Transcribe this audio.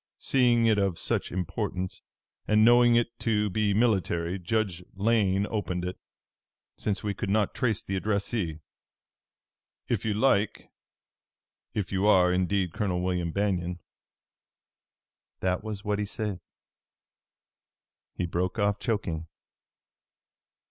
Seeing it of such importance, and knowing it to be military, Judge Lane opened it, since we could not trace the addressee. If you like if you are, indeed, Colonel William Banion' that was what he said." He broke off, choking.